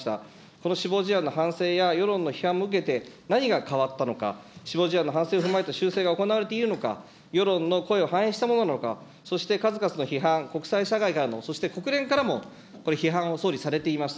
この死亡事案の反省や世論の批判も受けて、何が変わったのか、死亡事案の反省を踏まえた世論の声を反映したものなのか、そして数々の批判、国際社会からも、そして国連からも批判を総理されています。